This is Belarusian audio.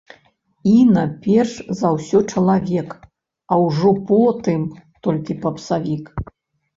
Іна перш за ўсё чалавек, а ўжо потым толькі папсавік.